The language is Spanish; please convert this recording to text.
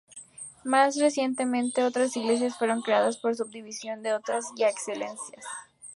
Más recientemente otras Iglesias fueron creadas por subdivisión de otras ya existentes.